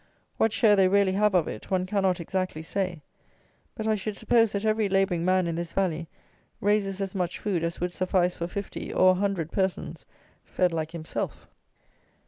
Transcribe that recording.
What share they really have of it one cannot exactly say; but, I should suppose, that every labouring man in this valley raises as much food as would suffice for fifty, or a hundred persons, fed like himself!